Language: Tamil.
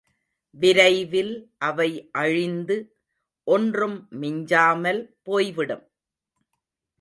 விரைவில் அவை அழிந்து, ஒன்றும் மிஞ்சாமல் போய்விடும்!